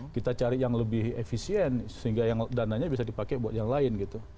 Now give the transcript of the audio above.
kita cari yang lebih efisien sehingga dananya bisa dipakai buat yang lain gitu